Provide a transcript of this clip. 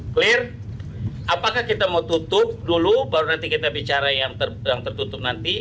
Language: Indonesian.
clear apakah kita mau tutup dulu baru nanti kita bicara yang tertutup nanti